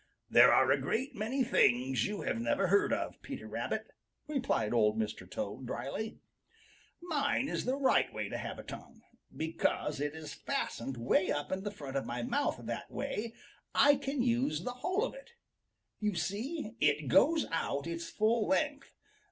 "There are a great many things you have never heard of, Peter Rabbit," replied Old Mr. Toad drily. "Mine is the right way to have a tongue. Because it is fastened way up in the front of my mouth that way, I can use the whole of it. You see it goes out its full length.